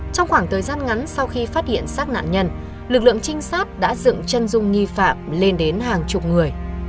trong khoảng thời gian ngắn sau khi phát hiện sát nạn nhân lực lượng trinh sát đã dựng chân dung nghi phạm lên đến hàng chục người